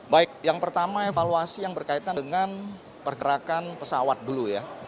baik yang pertama evaluasi yang berkaitan dengan pergerakan pesawat dulu ya